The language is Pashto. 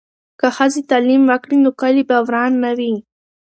که ښځې تعلیم وکړي نو کلي به وران نه وي.